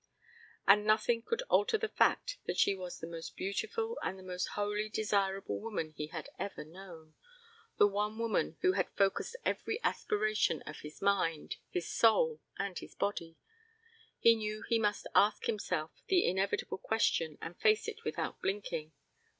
And nothing could alter the fact that she was the most beautiful and the most wholly desirable woman he had ever known, the one woman who had focussed every aspiration of his mind, his soul, and his body. He knew he must ask himself the inevitable question and face it without blinking.